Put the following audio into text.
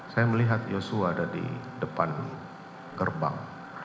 saya melihat yosua ada di depan gerbang